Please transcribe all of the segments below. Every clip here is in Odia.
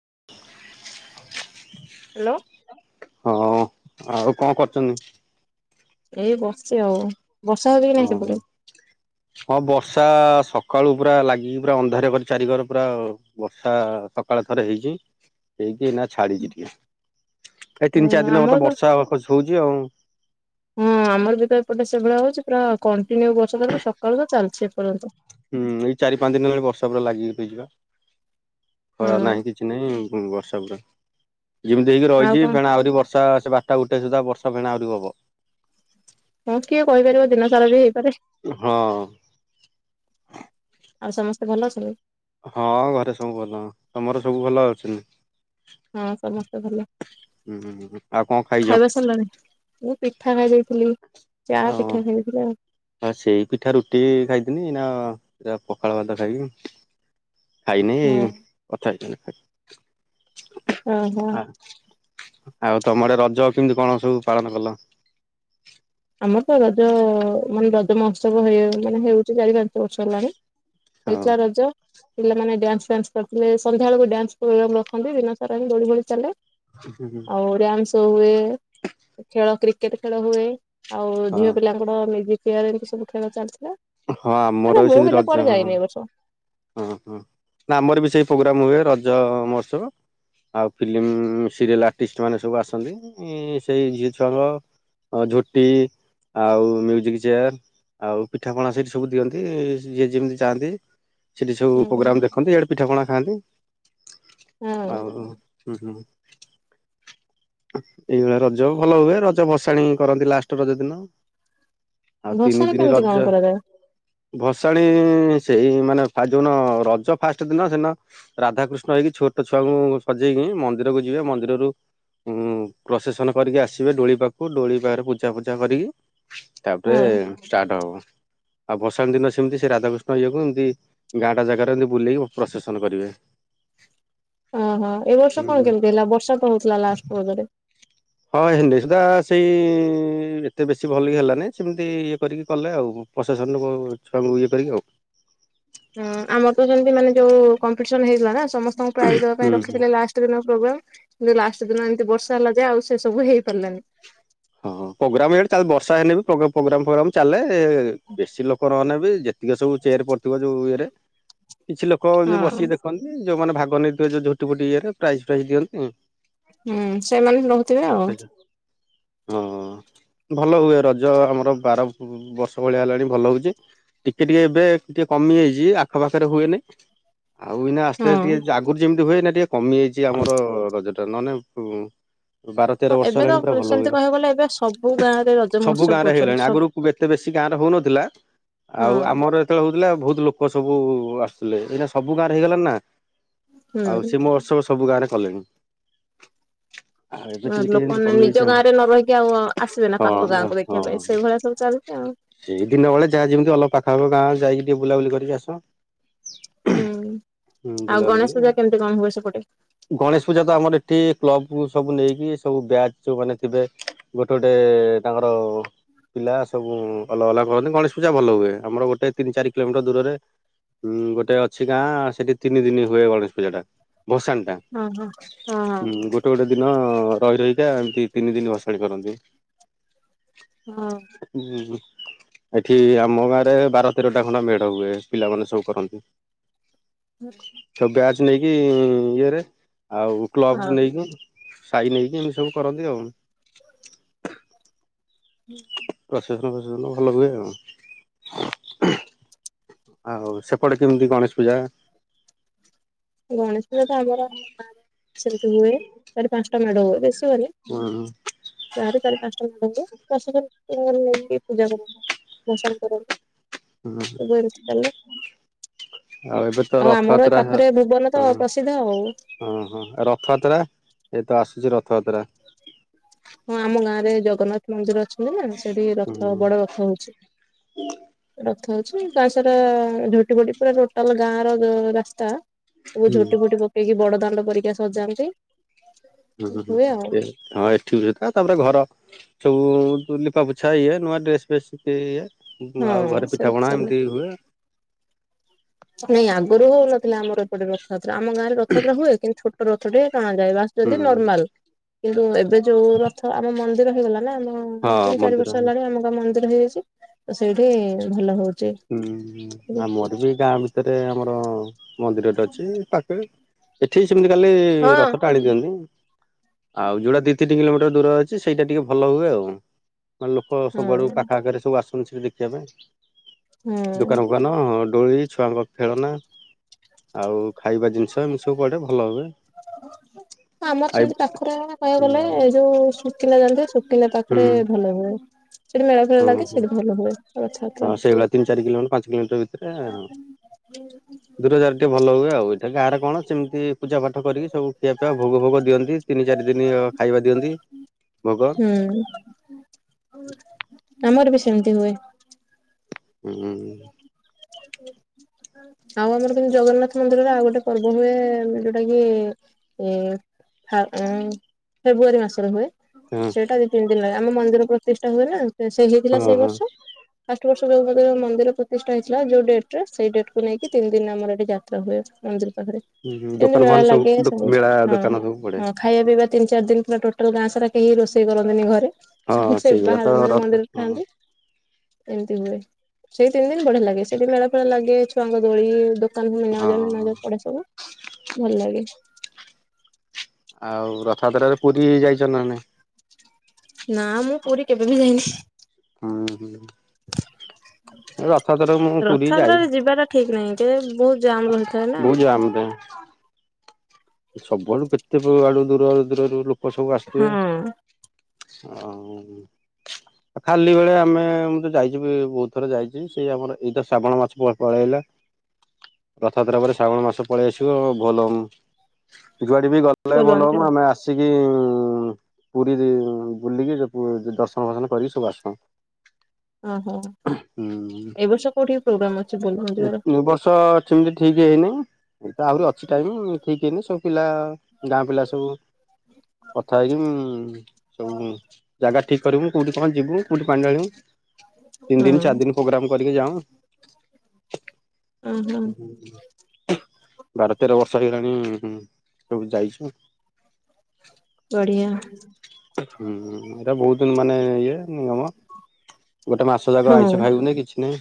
[inaudible] ହ୍ୟାଲୋ। ହଁ ଆଉ କଣ କରୁଚନି? ଏଇ ବସିଚି ଆଉ। ବର୍ଷା ହଉଛି କି ନାଇଁ ଓ ହ ସେପଟେ? ହଁ ବର୍ଷା ସ ସକାଳୁ ପୁରା ଲାଗିକି ପୁରା ଅନ୍ଧାରିଆ କରି ଚାରିିକର ପୁରା ବର୍ଷା ସକାଳେ ଥରେ ହେଇଚି। ହେଇକି ଏଇନା ଛାଡିଚି ଟିକେ। ଏଇ ହଁ ତିନି ଚାରି ଦିନି ହବ ଆମର ତ ବର୍ଷା ଖସ ହଉଚି ଆଉ। ହଁ ଆମର ବି ତ ଏପଟେ ସେଭଳିଆ ହଉଚି ପୁରା କଣ୍ଟିନ୍ୟୁ ବର୍ଷା [unintelligible] ସକାଳୁ ତ ଚାଲିଚି ଏପର୍ଯ୍ୟନ୍ତ। ହୁଁ ଏଇ ଚାରି ପାଞ୍ଚ ଦିନ ହେଲାଣି ବର୍ଷା ପୁରା ଲାଗିକି ହେଇଚି ବା। ଖରା ହୁଁ ନାହିଁ କିଛି ନାହିଁ ବର୍ଷା ପୁରା। ଯେମିତି ହେଇକି ଆଉ ରହିଛି କଣ ଫେଣା ଆହୁରି ବର୍ଷା, ସେ ବାରଟା ଗୋଟେ ସୁଦ୍ଧା ବର୍ଷା ଫେଣା ଆହୁରି ହବ। ହଁ କିଏ କହିପାରିବ ଦିନ ସାରା ବି ହେଇପାରେ। ହଁ ଆଉ ସମସ୍ତେ ଭଲ ଅଛନ୍ତି? ହଁ ଘରେ ସବୁ ଭଲ ତମର ସବୁ ଭଲ ଅଛି ହଁ ସମସ୍ତେ ଭଲ ହୁଁ ଆଉ କଣ ଖାଇଛ? ଖାଇବା ସରିଲାଣି ମୁଁ ଖାଇବା ଯାଇଥିଲି ଓ ବା ସେଇ ପିଠା ରୁଟି ଖାଇଥିନି ଇନା ଯାଉ ପଖାଳ ଭାତ ଖାଇବି ଖାଇନି ଏଇ ହଁ। କଥା ହେଇ [unintelligible] ଓ ହୋ ଆଉ ତମ ଆଡେ ରଜ କେମିତି କଣ ସବୁ ପାଳନ କଲ ଆମର ତ ରଜ ମାନେ ରଜ ମହୋତ୍ସବ ମାନେ ହଉଛି ଚାରି ପାଞ୍ଚ ବର୍ଷ ହେଲାଣି ହଁ ହେଇଥିଲା ରଜ ପିଲାମାନେ ଡ୍ୟାନ୍ସ ଫ୍ୟାନ୍ସ କରିଥିଲେ ସନ୍ଧ୍ୟାବେଳ ଡାନ୍ସ ପ୍ରୋଗ୍ରାମ ରଖନ୍ତି ଦିନ ସାରା ଦୋଳି ଫଳି ଚାଲେ ଆଉ ଡ୍ୟାନ୍ସ ହୁଏ ଖେଳ କ୍ରିକେଟ ଖେଳ ହୁଏ ଆଉ ହଁ ଝିଅ ପିଲାଙ୍କର ମ୍ୟୁଜିକ ଚେୟାର ଏମିତି ସବୁ ଖେଳ ଚାଲିଛି ହଁ ଆମର ସେମତି ରଜ ହଁ ଯାଇନି ଏ ବର୍ଷ। ଓଁ ହଁ ଆାମର ବି ସେଇ ପ୍ରୋଗ୍ରାମ ହୁଏ ରଜ ମହୋତ୍ସବ ଆଉ ଫିଲ୍ମ ସିରିଏଲ ଆର୍ଟିଷ୍ଟ ମାନେ ସବୁ ଆସନ୍ତି ସେଇ ଝିଅ ଛୁଆଙ୍କ ହ ଝୋଟି ଆଉ ମ୍ୟୁଜିକ ଚେୟାର ଆଉ ପିଠା ପଣା ସେଠି ସବୁ ଦିଅନ୍ତି ଯିଏ ଯେମିତି ଯାଆନ୍ତି ସେଠି ସବୁ ହୁଁ ପ୍ରୋଗ୍ରାମ ଦେଖନ୍ତି ଇଆଡେ ପିଠା ପଣା ଖାଆନ୍ତି ହଁ ଆଉ ହୁଁ ହୁଁ [unintelligible] ଏଇଭଳିଆ ରଜ ଭଲ ହୁଏ ରଜ ଭସାଣି କରନ୍ତି ଲାଷ୍ଟ ରଜ ଦିନ ଆଉ ତିନି ଭସାଣି ଦିନ କେମିତି କଣ ରଜ କରାଯାଏ? ଭସାଣି ସେଇ ମାନେ ଫାଷ୍ଟ ଦିନ ରଜ ଫାଷ୍ଟ ଦିନ ସେଦିନ ରାଧାକୃଷ୍ଣ ହେଇକି ଛୋଟ ଛୁଆଙ୍କୁ ସଜେଇକି ମନ୍ଦିରକୁ ଯିବେ ମନ୍ଦିରରୁ ଉଁ ପ୍ରସେସନ କରିକି ଆସିବେ ଦୋଳି ପାଖକୁ ଦୋଳି ପାଖରେ ପୂଜା ଫୂଜା କରିକି ତାପରେ ହଁ ଷ୍ଟାର୍ଟ ହବ ଆଉ ଭସାଣି ଦିନ ସେମିତି ସେ ରାଧାକୃଷ୍ଣ ଇଏକୁ ଏମିତି ଗାଁଟା ଜାଗାରେ ଏମିତି ବୁଲେଇକି ପ୍ରଶେସନ କରିବେ ଓହୋ ଏ ବର୍ଷ ହୁଁ ହୁଁ। କଣ କେମିତି ହେଲା ବର୍ଷା ତ ହଉଥିଲା ଲାଷ୍ଟ ର ହଁ ହେଡି ସୁଧା ସେଇ ଏତେ ବେଶୀ ଭଲ ହେଲାନି ସେମିତି ଇଏ କରିକି କଲେ ଆଉ ପ୍ରଶାସନ ଛୁଆଙ୍କୁ ଇଏ କରିକି ଆଉ ହୁଁ ଆମର ତ ସେମିତି ମାନେ ଯୋଉ କମ୍ପିଟିସନ ହେଇଥିଲା ନା ସମସ୍ତଙ୍କୁ ପ୍ରାଇଜ୍ ଦେବା ହୁଁ ପାଇଁ ହୁଁ। ରଖିଥିଲେ ଲାଷ୍ଟ ଦିନ ପ୍ରୋଗ୍ରାମ୍ କିନ୍ତୁ ଲାଷ୍ଟ ଦିନ ଏମିତି ବର୍ଷା ହେଲା ଯେ ଆଉ ସେ ସବୁ ହେଇ ପାରିଲାନି ହଁ ପ୍ରୋଗ୍ରାମଇ ଚା ବର୍ଷା ହେଇନି ବି ପ୍ରୋଗ୍ରାମ ଫୋଗ୍ରାମ ଚାଲେ ବେଶୀ ଲୋକ ନହେନେ ବି ଯେ ଇଏ ସବୁ ଚେୟାର ପଡିିବ ଯୋଉ ଇଏରେ କିଛି ଲୋକ ଏମିତି ହଁ ବସିକି ଦେଖନ୍ତି ଯୋଉମାନେ ଭାଗ ନେଇଥିବ ଯୋଉ ଝୋଟି ଫୁଟି ଇଏରେ ପ୍ରାଇଜ୍ ଫାଇଜ୍ ଦିଅନ୍ତି ହୁଁ ସେମାନେ ବି ରହୁଥିବେ ଆଉ ହଁ [unintelligible] ଭଲ ହୁଏ ରଜ ଆମର ବାର ବର୍ଷ ଭଳିଆ ହେଲାଣି ଭଲ ହଉଚି ଟିକେ ଟିକେ ଏବେ ଟିକେ କମି ଯାଇଛି ଆଖ ପାାଖରେ ହୁଏନି ଆଉ ଏଇନା ଆସ୍ତେ ହଁ। ଆସ୍ତେ ଟିକେ ଆଗରୁ ଯେମିତି ହୁଏ ନା ଟିକେ କମିଯାଇଛି ଆମର ରଜ ନହେନେ ବାର ହଁ ତେର ବର୍ଷ ଏବେ ତ ହେଲାଣି ପୁରା ଭଲ ସେମିତି ହୁଏ କହିବାକୁ ଗଲେ ଏବେ ସବୁ ଗାଁ ରେ ରଜ ସବୁ ମହୋତ୍ସବ ଗାଁ ରେ କରୁଛନ୍ତି ହେଇଗଲାଣି ସବୁ ଆଗରୁ ଏତେ ବେଶୀ ଗାଁ ରେ ହଉନଥିଲା ଆଉ ହଁ ଆମର ଯେତେବେଳେ ହଉଥିଲା ବହୁତ ଲୋକ ସବୁ ଆସୁଥିଲେ ଏଇଟା ସବୁ ଗାଁରେ ହେଇଗଲାଣି ନା ଆଉ ହୁଁ ସେ ମହୋତ୍ସବ ସବୁ ଗାଁରେ କଲେଣି ଆଉ ଏବେ ଟିକେ ଟିକେ ଲୋକମାନେ କମି ଯାଇଛି ନିଜ ଗାଁ ରେ ନ ଆଉ ରହିକି ଆଉ ଆସିବେ ନା ହଁ ପାଖ ହଁ ଗାଁକୁ ଦେଖିବା ହଁ ପାଇଁ ସେଇଭଳିଆ ସବୁ ଚାଲିଛି ଆଉ ସେଇ ଦିନ ବେଳେ ଯାହା ଯେମିତି ଗଲ ପାଖାପାଖ ଗାଁ ଯାଇକି ଟିକେ ବୁଲାବୁଲି କରିକି ଆସ ହୁଁ ହୁଁ ଆଉ ବୁଲାବୁଲି ଗଣେଶ ପୂଜା କେମିତି କଣ ହୁଏ ସେପଟେ? ଗଣେଶ ପୂଜା ତ ଆମର ଏଠି କ୍ଲବ ସୁ ସବୁ ନେଇକି ସବୁ ବ୍ୟାଜ ଯୋଉ ମାନେ ଥିବେ ଗୋଟେ ଗୋଟେ ତାଙ୍କର ପିଲା ସବୁ ଅଲଗା ଅଲଗା କରନ୍ତି ଗଣେଶ ପୂଜା ଭଲ ହୁଏ ଆମର ଗୋଟେ ତିନି ଚାରି କିଲୋମିଟର ଦୂରରେ ହୁଁ ଗୋଟେ ଅଛି ଗାଁ ସେଠି ତିନି ଦିନ ହୁଏ ଗଣେଶ ପୂଜା ଟା। ଭସାଣିଟା ହଁ ହଁ ଗୋଟେ ଗୋଟେ ଦିନ ରହି ରହି କା ଦି ତିନି ଦିନ ଭସା ଭସାଣି କରନ୍ତି। ହଁ ଏଠି ଆମ ଗାଁ ରେ ବାର ତେରଟା ଖଣ୍ଡା ମେଢ ହୁଏ ପିଲାମାନେ ସବୁ କରନ୍ତି। ହଁ ସବୁ ବ୍ୟାଚ ନେଇକି ଇଏରେ ଆଉ ହଁ କ୍ଲବ ନେଇକି। ସାଇ ନେଇକି ଏମିତି ସବୁ କରନ୍ତି ଆଉ। ହୁଁ। ପ୍ରସେସନ ପ୍ରସେସନ ଭଲ ହୁଏ ଆଉ। ଆଉ ସେପଟେ କେମିତି ଗଣେଶ ପୂଜା ଗଣେଶ ପୂଜା ତ ଆମର ସେମିତି ହୁଏ ଚାରି ପାଞ୍ଚଟା ମେଢ ହୁଏ ବେଶୀ ହୁଏନି ଉଁ ଗାଁ ରେ ଚାରି ପାଞ୍ଚଟା ମେଢ଼ ହୁଏ ପ୍ରସେସନ୍ ଦିନରେ ହୁଏ। କି ପୂଜା କରନ୍ତି ଭସାଣ କରନ୍ତି। ହୁଁ ସବୁ ଏମିତି ଚାଲେ ଆଉ ଏବେ ତ ଆମର ଏ ରଥଯାତ୍ରା ହଁ ପାଖରେ ଭୁବନ ତ ପ୍ରସିଦ୍ଧ ଆଉ ହଁ ହଁ ରଥଯାତ୍ରା। ଏ ତ ଆସୁଛି ରଥଯାତ୍ରା। ହଁ ଆମ ଗାଁ ରେ ଜଗନ୍ନାଥ ମନ୍ଦିର ହେ ନା ସେଠି ହୁଁ ରଥ ବଡ଼ ରଥ ହଉଛି ରଥ ହଉଛି ଗାଁ ସାରା ଝୋଟି ଭଟି ପୁରା ଟୋଟାଲ ଗାଁ ର ରାସ୍ତା ସବୁ ହୁଁ ଝୋଟି ଫୋଟି ପକେଇକି ବଡ ଦାଣ୍ଡ ପରିକା ସଜାନ୍ତି। ହୁଁ ହ ହୁଁ ହୁଏ ହୁଁ ଆଉ। ସେ ହଁଏ [unintelligible] ତାପରେ ଘର ସବୁ ଲିପାପୋଛା ଇଏ ନୂଆ ଡ୍ରେସ୍ ଫ୍ରେସ୍ ଇଏ। ଆଉ ହଁ ଘରେ ସେ ପିଠା ପଣା ଚାଲେ ଏମିତି ହୁଏ। ନାଇଁ ଆଗରୁ ହଉନଥିଲା ଆମର ଏପଟେ ରଥଯାତ୍ରା ଆମ ଗାଁ ରେ ରଥଯାତ୍ରା ହୁଏ କିନ୍ତୁ ଛୋଟ ରଥ ଟେ ଟଣାଯାଏ ହୁଁ ବାସୁଛନ୍ତି ନର୍ମାଲ କିନ୍ତୁ ଏବେ ଯୋଉ ରଥ ଆମ ମନ୍ଦିର ହେଇଗଲା। ହେ ଆମ ହଁ ତିନି ଚାରି ମନ୍ଦିର ବର୍ଷ ହୁଁ ହେଲାଣି ଆମ ମନ୍ଦିର ହେଇଯାଇଛି ତ ସେଇଠି ଭଲ ହଉଛି। ହୁଁ ଏବେ ଆମୋର ବି ଗାଁ ଭିତରେ ଆମର ମନ୍ଦିରରେ ଅଛି ପାଖରେ। ଏଠି ସେମିତି କାଲି ହଁ ରଥ ଟା ଆଣି ଦିଅନ୍ତି। ଆଉ ଯୋଉଟା ଦି ତିନି କିଲୋମିଟର ଦୂର ଅଛି ସେଇଟା ଟିକେ ଭଲ ହୁଏ ଆଉ। ମାନେ ଲୋକ ହଁ ସବୁଆଡୁ ପାଖ ପାଖରେ ସବୁ ଆସୁନ ସେଠି ଦେଖିବା ପାଇଁ ହଁ। ଦୋକାନ ଫୋକାନ ଅଁ ଦୋଳି ଛୁଆଙ୍କ ଖେଳନା ଆଉ ଖାଇବା ଜିନିଷ ଏମିତି ସବୁ ପଡ଼େ ଭଲ ହୁଏ। [unintelligible] ଆମର ଆଇ ସେମିତି ପାଖରେ କହିବାକୁ ଗଲେ ହୁଁ ଏ ଯୋଉ ସୁକିନ୍ଦା ଯାଆନ୍ତି ସୁକିନ୍ଦା ହୁଁ ପାଖରେ ଭଲ ହୁଏ। ସେଠି ମେଳା ଫେଳା ହୁଁ ଲାଗେ ହୁଁ ସେଠି ଭଲ ହୁଏ ହଁ ସେଇଭଳିଆ ତିନି ଚାରି କିଲୋମିଟର ପାଞ୍ଚ କିଲୋମିଟର ଭିତରେ ରଥଯାତ୍ରା। ଦୂର ଯାଗାରେ ଟିକେ ଭଲ ହୁଏ ଆଉ ଏଇଟା କାହାର କଣ ସେମିତି ପୂଜା ପାଠ କରିକି ସବୁ ଖିଆ ପିଇବା ଭୋଗ ଭୋଗ ଦିଅନ୍ତି ତିନି ଚାରି ଦିନ ଖାଇବା ଦିଅନ୍ତି। ଭୋଗୋ। ହୁଁ ଆମର ବି ସେମିତି ହୁଏ। ହୁଁ [inaudible] ଆଉ ଆମର କେମତି ଜଗନ୍ନାଥ ମନ୍ଦିରର ଆଉ ଗୋଟେ ପର୍ବ ହୁଏ ଯୋଉଟା କି ଏ ହା ଫେବୃଆାରୀ ମାସରେ ହୁଏ ହଁ ସେଇଟା ଦି ତିନି ଦିନ ଲାଗେ ଆମ ମନ୍ଦିର ପ୍ରତିଷ୍ଠା ହୁଏ ନା। ସେ ହେଇଥିଲା ହଁ ସେଇ ହଁ ବର୍ଷ ଫାଷ୍ଟ ବର୍ଷ ଜଗନ୍ନାଥ ମନ୍ଦିର। ପ୍ରତିଷ୍ଠା ହେଇଥିଲା ଯୋଉ ଡେଟ୍ ରେ ସେ ଡେଟ୍ କୁ ନେଇକି ତିନି ଦିନ ଆମର ଏଠି ଯାତ୍ରା ହୁଏ ମନ୍ଦିର। ପାଖରେ ସେମତି ଦୋକାନ ଫୋକାନ ମେଳା ଲାଗେ ସବୁ ମେଳା ହଁ ଦୋକାନ ସବୁ ପଡେ ହଁ ଖାଇବା ପିଇବା ତିନ ଚାର ଦିନ ପୁରା ଟୋଟାଲ ଗାଁ ସାରା କେହିି ରୋଷେଇ କରନ୍ତିନି ଘରେ। ହଁ ସେ ସେଇଭଳିଆ ବାହାର ତ ମାନେ ରଥ ମନ୍ଦିର ହଁ ଖାଆନ୍ତି। ଏମିତି ହୁଏ ସେଇ ତିନି ଦିନ ବଢିଆ ଲାଗେ ସେଠି ମେଳା ଫେଳା ଲାଗେ ଛୁଆଙ୍କ ଦୋଳିଇ ମିନା ହଁ ବଜାର ପଡ଼େ ସବୁ ଭଲ ଲାଗେ। ଆଉ ରଥଯାତ୍ରାରେ ପୁରୀ ଯାଇଚନା ନାଇଁ। ନା ମୁଁ ପୁରୀ କେବେ ବି ଯାଇନି। ହୁଁ ହୁଁ। ରଥଯାତ୍ରାରେ ମୁଁ ପୁରୀ ଯାଇ ରଥଯାତ୍ରାରେ ଯିବାଟା ଠିକ ନାହିଁ କେ ବୋହୁତ ଜାମ ରହିଥାଏ ନା। ସବୁଆଠୁ କେତେ କଉ ଆଡ଼ୁ ଦୂରଆଡୁ ଦୂରରୁ ଲୋକ ସବୁ ହଁ ଆସିିଥିବେ। ଆଉ ଖାଲି ବେଳେ ଆମେ ମୁଁ ତ ଯାଇଚି ବି-ବୋହୁତ ଥର ଯାଇଚି ସେଇ ଆମର ଏଇ ତ ଶ୍ରାବଣ ମାସ ପଳେଇଆଇଲା। ରଥଯାତ୍ରା ପରେ ଶ୍ରାବଣ ମାସ ପଳେଇ ଆସିବ ଭୋଲବମ୍ୱ ଯୁଆଡି ବି ଗଲେ ବୋଲବମ ଭୋଲବମ୍ୱ ଯିବା ଆମେ ଆସିକି କି ପୁରୀ ରେ ବୁଲିକି ଜ ଦ-ଦର୍ଶନ ଫର୍ସନ କରିକି ସବୁ ଆସୁ। ଓହୋ। ହୁଁ ଏ ଏ ବର୍ଷ କୋଉଠି ପ୍ରୋଗ୍ରାମ ଅଛି ବୋଲବମ ଯିବାର ବର୍ଷ ସେମିତି ଠିକ୍ ହେଇନି। ଏଇ ତ ଆହୁରି ଅଛି ଟାଇମ। ଠିକ ହେଇନି ସବୁ ପିଲା ଗାଁ ପିଲା ସବୁ କଥା ହେଇକି ଉଁ ସବୁ ଜାଗା ଠିକ କରିମୁଁ କୋଉଠି କଣ ଯିବୁ କୋଉଠି ପାଣି ଢ଼ାଳିବୁ। ତିନି ହଁ ଦିନ ଚାରି ଦିନ ପ୍ରୋଗ୍ରାମ କରିକି ଯାଉଁ। ଓହୋ ବାର ତେର ବର୍ଷ ହେଇଗଲାଣି ସବୁ ଯାଇଚୁ। ବଢିଆ ହୁଁ ଏଇରା ବୋହୁତ ମାନେ ଇଏ ଉଁ ନା ମ ଗୋଟେ ମାସ ଯାକ ହଁ ଆଇଁଷ ଖାଇବୁନି କିଛି ନାହିଁ।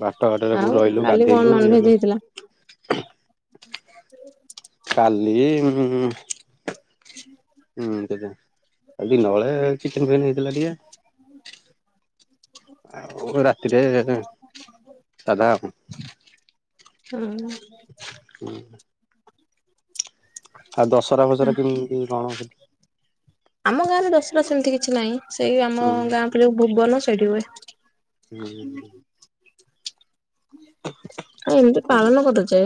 ବାଟଘାଟରେ ଆଉ କୋଉଠି ରହିଲୁ କାଲି କଣ ଗାଧେଇଲୁ ଇଏ ନନଭେଜ ହେଇଥିଲା? ହେଲୁ। [inaudible] କାଲି ଉଁ ହୁଁ ଦେବେ ଦିନବେଳେ ଚିକେନ ଫିକେନ ହେଇଥିଲା ଟିକେ। ଆଉ ରାତିରେ ସାଧା ଆଉ। ହଁ ହୁଁ। ଆଉ ଦଶହରା ଫସରା କେମିତି କଣ ସେଠ୍ ଆମ ଗାଁ ରେ ଦଶରା ସେମିତି କିଛି ନାହିଁ ସେଇ ଆମ ହୁଁ ଗାଁ [unintelligible] ଭୁବନ ସେଇଠି ହୁଏ। ହୁଁ। ଆ ଏମିତି ପାଳନ ହଁ କରାଯାଏ।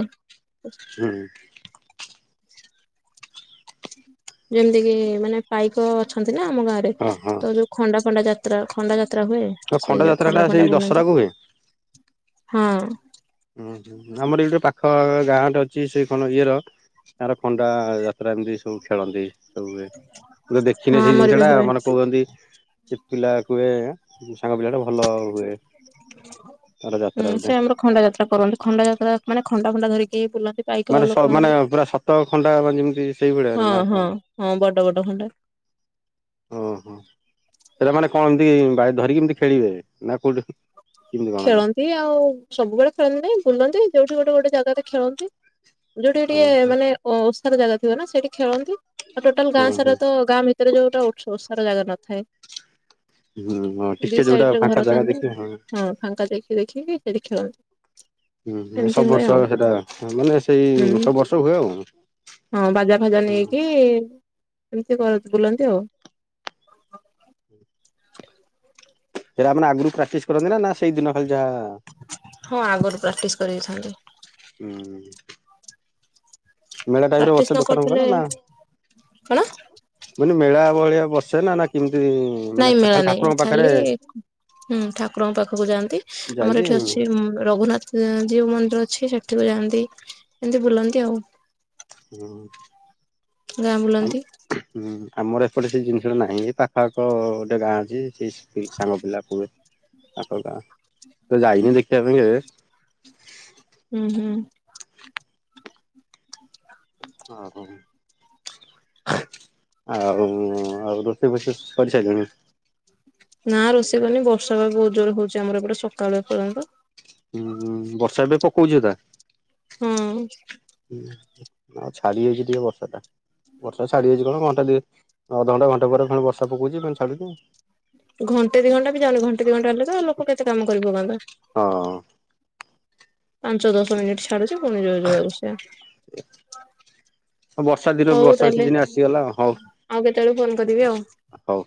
ଯେମିତି କିି ମାନେ ପାଇକ ଅଛନ୍ତି ନା ଆମ ଗାଁରେ ହଁ। ତ ଯୋଉ ଖଣ୍ଡା ଫଣ୍ଡା ଯା ଯାତ୍ରା ଖଣ୍ଡା ଯାତ୍ରା ହୁଏ ଆଉ ସେଇ ଯୋଉ ଯାତ୍ରା ଟା ଖଣ୍ଡା ସେଇ ଫଣ୍ଡା ବୁଲାନ୍ତି ଦଶହରାକୁ ହୁଏ? ହଁ। ଉଁ ହୁଁ ଆମର ଏଇ ଗୋଟେ ପାଖ ଗାଁ ଟେ ଅଛି ସେଇ ତମ ଇଏର ତାର ଖଣ୍ଡା ଯାତ୍ରା ଏମତି ସବୁ ଖେଳନ୍ତି ସବୁୁ ହୁଏ। ମୁଁ ତ ହଁ ଦେଖିନେଇଁ ସେଇ ଆମର ଜିନିଷ ବି ଟା ହୁଏ। ମାନେ କୋହୁଚନ୍ତି ସେ ପିଲା କୁହେ ସାଙ୍ଗ ପିଲାଟା ଭ ତାର ଯାତ୍ରା ହୁଁ ଗୋଟେ ସେ ଆମର ଖ ଣ୍ଡା ଯାତ୍ରା କରନ୍ତି। ଖଣ୍ଡା ଯାତ୍ରା ମାନ ଖଣ୍ଡା ଫଣ୍ଡା ଧରିକି ବୁଲ ପାଇକ ମାନେ ସ ଲୋକମାନେ ମାନେ ଯୋଉ ପୁରା ସତ ଖଣ୍ଡା ମାନେ ଯେମିତି ସେଇଭଳିଆ ହଁ ନା କଣ? ହଁ ହଁ ବଡ଼ ବଡ଼ ଖଣ୍ଡା। ତି ବା ଧରିକି ଏମିତି ଖେଳିବେ ନା କୋଉଠି କେମିତି କଣ ଏଟା? ଖେଳନ୍ତି ଆଉ ସବୁବେଳେ ଖେଳନ୍ତି ନାଇଁ ବୁଲନ୍ତି। ଯୋଉଠି ଗୋଟେ ଗୋଟେ ଜାଗାରେ ଖେଳନ୍ତି। ଯୋଉଠି ଓହୋ ଟିକେ ହୁଁ ମାନେ ଓଷାର ଜାଗା ଥିବ ନା ସେଇଠି ଖେଳନ୍ତି। ଆଉ ଟୋଟାଲ ଗାଁ ହୁଁ ସାରା ତ ଗାଁ ଭିତ ତାରେ ଯୋଉଟା ଓ ଓସାର ଜାଗା ନଥାଏ। ହୁଁ ହଁ ଦି ଟିକେ ସାଇଡ ଯୋଉଟା ରେ ଘର ଫାଙ୍କା ଜାଗା ଥାଆନ୍ତି ନା ଦେଖିବେ ହଁ। ଫାଙ୍କା ଦେଖି ଦେଖିକି ସେଠି ଖେଳନ୍ତି। ହୁଁ [unintelligible] ଏମିତି ସବୁ ହୁଏ ଆଉ। ବର୍ଷ ସେଟା ମାନେ ସେଇ ହୁଁ ସବୁ ବର୍ଷ ହୁଏ ଆଉ। ହଁ ବାଜା ଫାଜା ନେଇକି। ଏମିତି କର ବୁଲନ୍ତି ଆଉ। ଏରା ମାନେ ଆଗରୁ ପ୍ରାଟିସ୍ କରନ୍ତି ନା ସେଇ ଦିନ ଖାଲି ଟାଆ [inaudible] ହଁ ଆଗରୁ ପ୍ରାକ୍ଟିସ କରିଥାନ୍ତି ଉଁ। ପ୍ରାଟିସ୍ ନ କରିଥିଲେ ଫୋକାନ ନା କଣ ମାନେ ମେଳା ଭଳିଆ ବସେ ନା ନା କିମିତି ନାଇଁ ମାନେ ମେଳା ଖାଲି ନାଇଁ ଠାକୁରଙ୍କ ପାଖରେ ଖାଲି ହୁଁ ଠାକୁରଙ୍କ ପାଖକୁ ଯାଆନ୍ତି ଆମର ଏଠି ଯାଇକି ଅଛି ଉଁ ରଘୁନାଥ ଉଁ ଜିଉ ମନ୍ଦିର ଅଛି ସେଠ ଠାକୁ ଯାଆନ୍ତି ଏମିତି ବୁଲନ୍ତି ଆଉ। ହୁଁ। ଗାଁ ହୁଁ ବୁଲନ୍ତି। ଆମର ଏପଟେ ସେଇ ଜିନିଷଟା ନାହିଁ ଯେ ପାଖପାଖ ଗୋଟେ ଗାଁ ଅଛି ସେଇ ଶ୍ ସାଙ୍ଗ ପିଲା କୁଏ। ତାଙ୍କ ଗାଁ ତ ଯାଇନି ଦେଖିଆ ପାଇଁ ଯେ ହୁଁ ହୁଁ। ହ ଆଉ ଆଉ ରୋଷେଇ ଫୋଷେଇ କରିସାରିଲଣି? ନା ରୋଷେଇ କରନି ବର୍ଷା ବା ବହୁତ ଜୋରରେ ହଉଛି ଆମର ଏପଟେ ସକାଳୁ ଏ ପର୍ଯ୍ୟନ୍ତ। ହୁଁ ବର୍ଷା ଏବେ ପକଉଚି ଏକା। ହୁଁ। ଆ ଛାଡ଼ିି ଯାଇଚି ଟିକେ ବର୍ଷାଟା। ବର୍ଷା ଛାଡି ଯାଇଛି କଣ ଘଣ୍ଟେ ଦି ଅଧଘଣ୍ଟା ଘଣ୍ଟେ ପରେ ଫୁଣି ବର୍ଷା ପକଉଚି ପୁଣି ଛାଡୁଛି। ଘଣ୍ଟେ ଦି ଘଣ୍ଟା ବି ଯାଉନି ଘଣ୍ଟେ ଦି ଘଣ୍ଟା ହେଲେ ତ ଲୋକ କେତେ କାମ କରି ପକାନ୍ତା। ହଁ ପାଞ୍ଚ ଦଶ ମିନିଟ ଛାଡ଼ୁଚି ପୁଣି ଯୋଉ ଯୋଉଆକୁ ପୁଣି ସେଇଆ। ବର୍ଷା ଦିନ ହଉ ବର୍ଷା ତାହେଲେ ସିଜିନ ଆସିଗଲା ହଉ ଆଉ କେତେବେଳେ ଫୋନ କରିବି ଆଉ। ହଉ